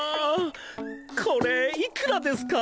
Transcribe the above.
これいくらですか？